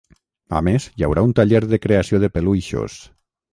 A més, hi haurà un taller de creació de peluixos.